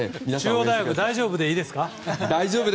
中央大学大丈夫でいいですか？